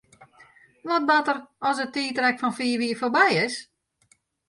Wat bart der as it tiidrek fan fiif jier foarby is?